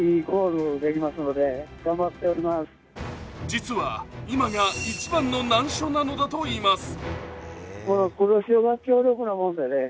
実は今が一番の難所なのだといいます。